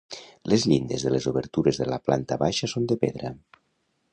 Les llindes de les obertures de la planta baixa són de pedra.